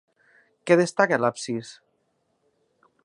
Què destaca l'absis?